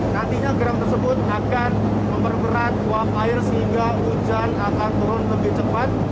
nantinya garam tersebut akan memperberat uap air sehingga hujan akan turun lebih cepat